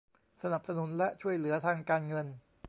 สนับสนุนและช่วยเหลือทางการเงิน